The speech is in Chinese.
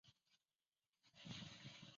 境内最大的高原为伊朗高原。